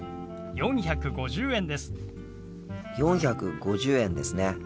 ４５０円ですね。